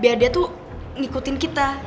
biar dia tuh ngikutin kita